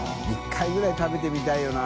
１回ぐらい食べてみたいよな。